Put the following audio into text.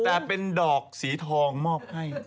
แต่เป็นดอกสีทองมอบให้